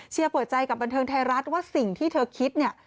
เปิดใจกับบันเทิงไทยรัฐว่าสิ่งที่เธอคิดเนี่ย